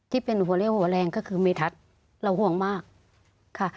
ที่เป็นหัวเลี่ยวหัวแรงก็คือเมทัศน์เราห่วงมากค่ะ